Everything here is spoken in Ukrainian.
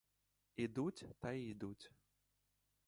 Ідуть та й ідуть.